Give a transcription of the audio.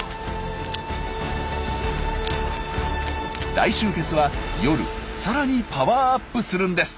大集結は夜さらにパワーアップするんです。